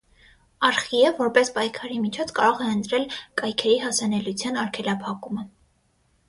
Արխիը որպես պայքարի միջոց կարող է ընտրել կայքերի հասանելիության արգելափակումը։